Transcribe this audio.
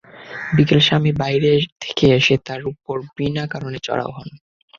বিকেলে স্বামী বাইরে থেকে এসে তাঁর ওপর বিনা কারণে চড়াও হন।